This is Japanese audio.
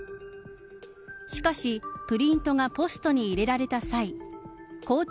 しかし、プリントがポストに入れられた際校長